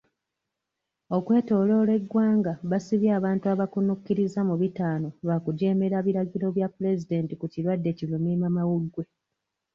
Okwetooloola eggwanga basibye abantu abakkunukkiriza mu bitaano lwa kujeemera biragiro bya pulezidenti ku kirwadde ki Lumiimamawuggwe.